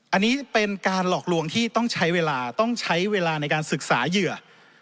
อันนี้เป็นการหลอกลวงที่ต้องใช้เวลาต้องใช้เวลาในการศึกษาเหยื่อ